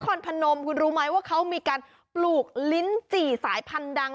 นครพนมคุณรู้ไหมว่าเขามีการปลูกลิ้นจี่สายพันธุ์ดัง